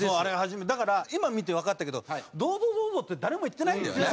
だから今見てわかったけど「どうぞ、どうぞ」って誰も言ってないんだよね。